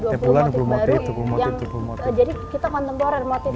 iya dua puluh motif baru jadi kita kontemporer motifnya